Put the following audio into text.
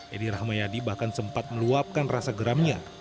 edi rahmayadi bahkan sempat meluapkan rasa geramnya